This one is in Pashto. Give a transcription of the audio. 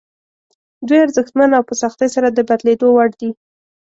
دوی ارزښتمن او په سختۍ سره د بدلېدو وړ دي.